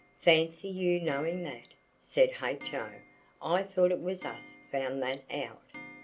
"Fancy you knowing that!" said H.O. "I thought it was us found that out."